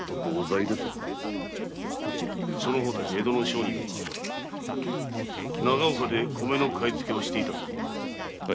その方たち江戸の商人は長岡で米を買い付けていたそうだな？